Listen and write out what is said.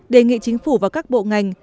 đề nghị chính phủ và các bộ ngành